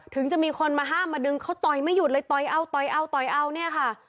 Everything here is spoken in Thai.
ถึงจะมีคนมาห้ามมาดึงเค้าต่อยไม่หยุดเลยต่อยเอาเนี่ยค่ะ